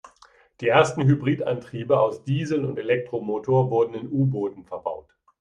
Die ersten Hybridantriebe aus Diesel- und Elektromotor wurden in U-Booten verbaut.